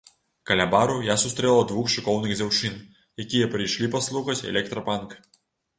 Каля бару я сустрэла двух шыкоўных дзяўчын, якія прыйшлі паслухаць электрапанк.